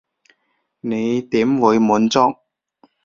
你點會滿足？